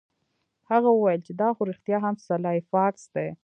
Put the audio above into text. هغه وویل چې دا خو رښتیا هم سلای فاکس دی